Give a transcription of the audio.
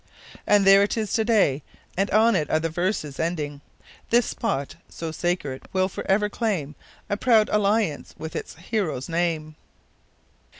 And there it is to day; and on it are the verses ending, This spot so sacred will forever claim A proud alliance with its hero's name.